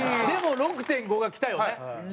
でも６．５がきたよね。